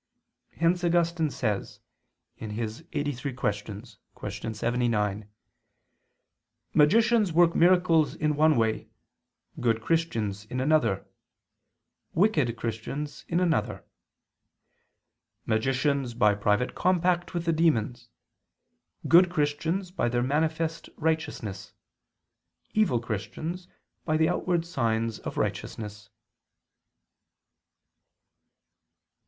Hence Augustine says (QQ. lxxxiii, qu. 79): "Magicians work miracles in one way, good Christians in another, wicked Christians in another. Magicians by private compact with the demons, good Christians by their manifest righteousness, evil Christians by the outward signs of righteousness."